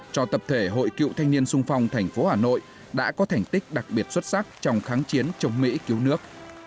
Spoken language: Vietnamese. cho tập thể hội cựu thanh niên sung phong tp hà nội đã có thành tích đặc biệt xuất sắc trong kháng chiến chống mỹ cứu nước